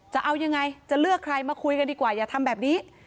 จะเอายังไงจะเลือกใครมาคุยกันดีกว่าอย่าทำแบบนี้